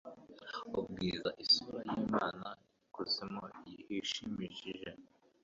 Ubwiza isura y'Imana ikuzimu hishimishije